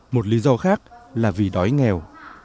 một lý do khác là vì đói nghèo